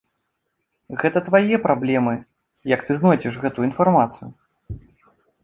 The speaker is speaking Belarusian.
Гэта твае праблемы, як ты знойдзеш гэтую інфармацыю.